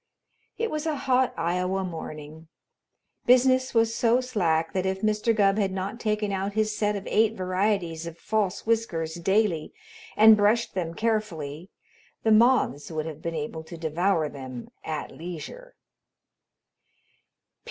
It was a hot Iowa morning. Business was so slack that if Mr. Gubb had not taken out his set of eight varieties of false whiskers daily and brushed them carefully, the moths would have been able to devour them at leisure.